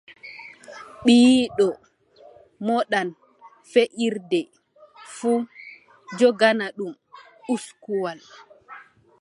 Biiɗo moɗan feʼirde fuu, jogana ɗum uskuwal.